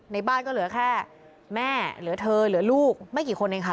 ในบ้านก็เหลือแค่แม่เหลือเธอเหลือลูกไม่กี่คนเองค่ะ